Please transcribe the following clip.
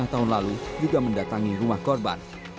lima tahun lalu juga mendatangi rumah korban